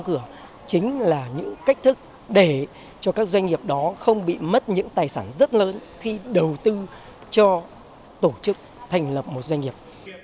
đóng cửa chính là những cách thức để cho các doanh nghiệp đó không bị mất những tài sản rất lớn khi đầu tư cho tổ chức thành lập một doanh nghiệp